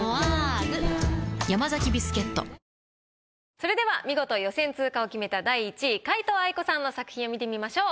それでは見事予選通過を決めた第１位皆藤愛子さんの作品を見てみましょう。